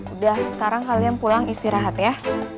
udah sekarang kalian pulang istirahat ya